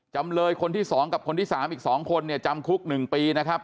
จำเลยคนที่๒กับคนที่๓อีก๒คนเนี่ยจำคุก๑ปีนะครับ